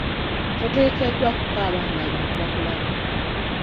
Toteekeddwa kukaaba ng'abantu bakulaba.